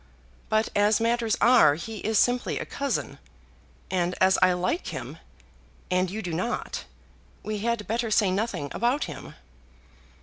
But as matters are he is simply a cousin; and as I like him and you do not, we had better say nothing about him."